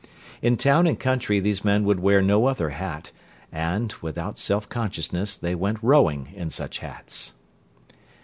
In town and country these men would wear no other hat, and, without self consciousness, they went rowing in such hats.